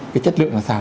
cái chất lượng là sao